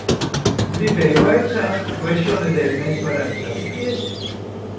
Gribēju vaicāt, vai šonedēļ mēs varētu satikties?